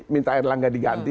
minta erlang gak diganti